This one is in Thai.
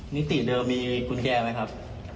นิติเดิมมีกุญแจไหมครับ